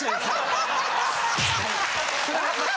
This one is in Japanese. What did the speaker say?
アハハハ！